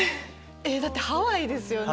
だってハワイですよね